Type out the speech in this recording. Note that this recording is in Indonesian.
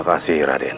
terima kasih raden